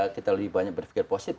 kita lebih banyak berpikir positif